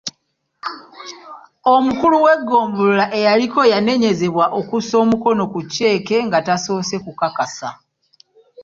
Omukulu w'eggombolola eyaliko yanenyezebwa okussa omukono ku cheque nga tasoose kukakasa.